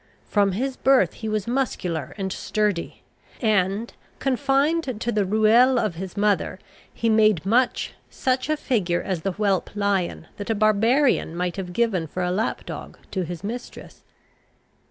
From his birth he was muscular and sturdy; and, confined to the ruelle of his mother, he made much such a figure as the whelp lion that a barbarian might have given for a lap dog to his mistress.